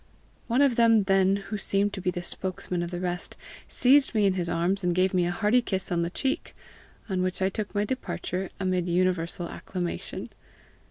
One of them then who seemed to be the spokesman of the rest, seized me in his arms and gave me a hearty kiss on the cheek, on which I took my departure amid universal acclamation.